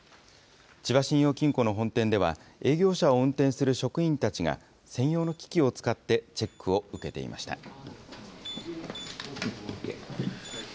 千葉信用金庫の本店では、営業車を運転する職員たちが、専用の機器を使ってチェックを受けていました。